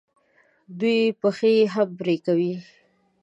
دوی پښې یې هم پرې کوي.